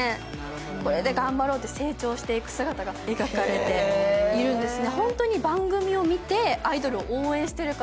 これで頑張ろうって成長していく姿が描かれていくんですね。